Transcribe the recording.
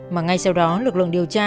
mà ngay sau đó lực lượng điều tra